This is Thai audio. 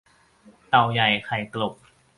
เต่าใหญ่ไข่กลบ